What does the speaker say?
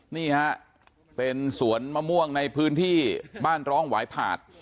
นี่ฮะเป็นสวนมะม่วงในพื้นที่บ้านร้องหวายผาด